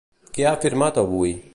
Què ha afirmat avui?